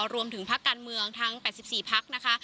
พักการเมืองทั้ง๘๔พักนะคะ